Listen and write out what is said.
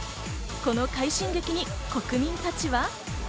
この快進撃に国民たちは。